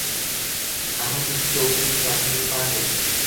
আমার বুঝি চোখ নেই, কান নেই, পা নেই?